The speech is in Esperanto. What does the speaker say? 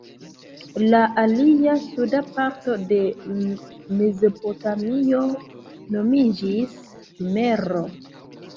La alia, suda parto de Mezopotamio nomiĝis Sumero.